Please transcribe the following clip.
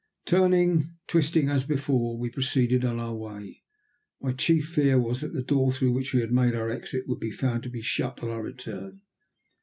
Turning, twisting as before, we proceeded on our way. My chief fear was that the door through which we had made our exit would be found to be shut on our return.